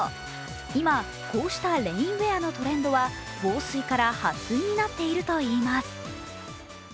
今、こうしたレインウエアのトレンドは防水からはっ水になっているといいます。